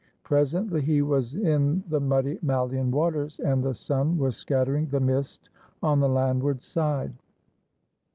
Presently he was in the muddy MaUan waters and the sun was scattering the mist on the landward side.